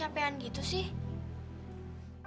kamu tuh dimana lagi sih